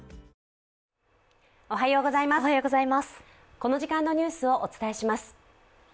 この時間のニュースをお伝えいたします。